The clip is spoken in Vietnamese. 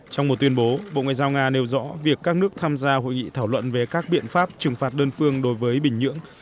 trong một tuyên bố bộ ngoại giao nga nêu rõ việc các nước tham gia hội nghị thảo luận về các biện pháp trừng phạt đơn phương đối với bình nhưỡng